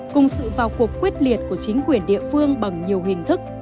cùng sự vào cuộc quyết liệt của chính quyền địa phương bằng nhiều hình thức